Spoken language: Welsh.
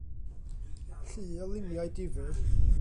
Llu o luniau difyr.